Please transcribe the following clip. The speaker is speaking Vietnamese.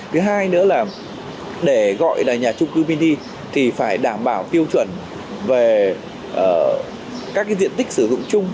thứ hai nữa là để gọi là nhà trung cư mini thì phải đảm bảo tiêu chuẩn về các diện tích sử dụng chung